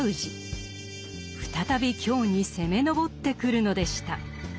再び京に攻め上ってくるのでした。